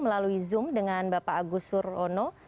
melalui zoom dengan bapak agus surwono